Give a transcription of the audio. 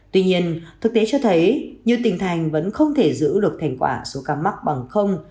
tuy nhiên thực tế cho thấy nhiều tình thành vẫn không thể giữ được thành quả số ca mắc bằng